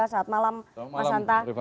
selamat malam mas hanta